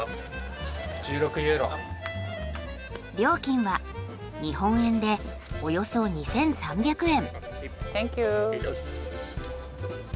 料金は日本円でおよそ２，３００円。